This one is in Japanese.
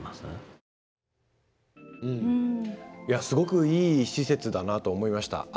すごくいい施設だなと思いました。